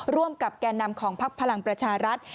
ร่วมกับแก่นำของพักพลังประชารัฐ